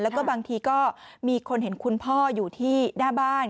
แล้วก็บางทีก็มีคนเห็นคุณพ่ออยู่ที่หน้าบ้าน